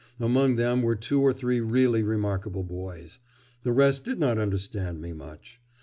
Among them were two or three really remarkable boys; the rest did not understand me much.